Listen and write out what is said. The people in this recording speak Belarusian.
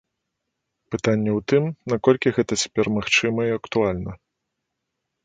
Пытанне ў тым, наколькі гэта цяпер магчыма і актуальна.